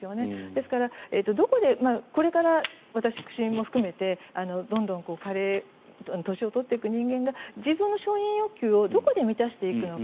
ですから、どこでこれから私も含めてどんどん加齢年を取っていく人間が自分の承認欲求をどこで満たしていくのか。